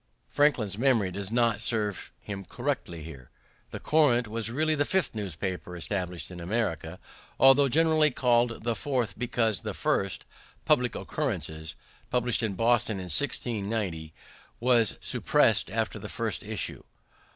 Franklin's memory does not serve him correctly here. The Courant was really the fifth newspaper established in America, although generally called the fourth, because the first, Public Occurrences, published in Boston in 1690, was suppressed after the first issue.